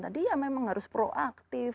tadi ya memang harus proaktif